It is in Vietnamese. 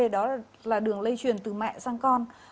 đó là đường lây chuyển từ mẹ sang con